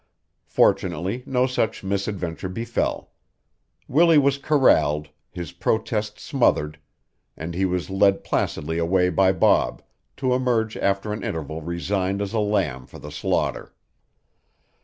Fortunately no such misadventure befell. Willie was corralled, his protests smothered, and he was led placidly away by Bob, to emerge after an interval resigned as a lamb for the slaughter.